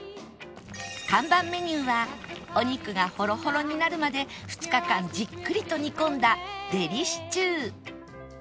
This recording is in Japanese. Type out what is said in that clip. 看板メニューはお肉がホロホロになるまで２日間じっくりと煮込んだデリシチュー